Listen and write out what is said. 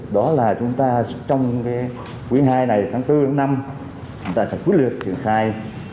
đó là chúng ta trong quý hai này tháng bốn tháng năm chúng ta sẽ quyết liệt triển khai